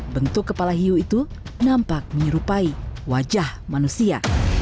bentuk kepala hiu itu nampak menyerupai wajah manusia